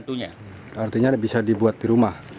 artinya bisa dibuat di rumah